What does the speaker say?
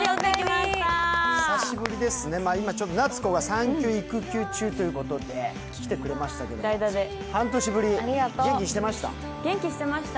久しぶりですね、今、夏子が産休・育休中ということで、半年ぶり、元気にしてました？